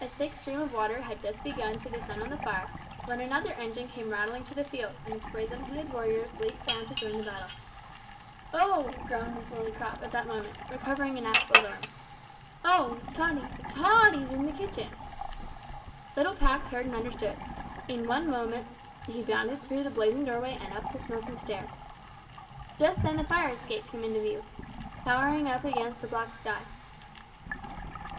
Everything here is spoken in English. The thick stream of water had just begun to descend on the fire, when another engine came rattling to the field, and its brazen headed warriors leaped down to join the battle. "Oh!" groaned Miss Lillycrop at that moment, recovering in Aspel's arms. "Oh! Tottie To o o o tie's in the kitchen!" Little Pax heard and understood. In one moment he bounded through the blazing doorway and up the smoking stair. Just then the fire escape came into view, towering up against the black sky.